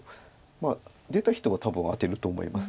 まあ出た人は多分アテると思います。